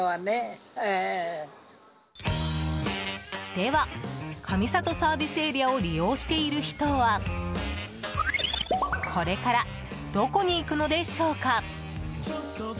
では、上里ＳＡを利用している人はこれからどこに行くのでしょうか？